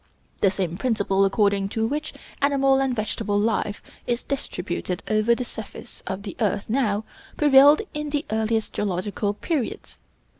The same principle according to which animal and vegetable life is distributed over the surface of the earth now, prevailed in the earliest geological periods.